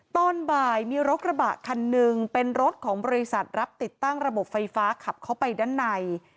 ตอนบ่ายมีรถกระบะคันหนึ่งเป็นรถของบริษัทรับติดตั้งระบบไฟฟ้าขับเข้าไปด้านใน